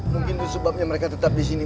mungkin disebabnya mereka tetap di sini